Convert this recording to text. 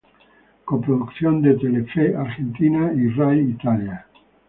Coproducción de Telefe Argentina y Ray Italia.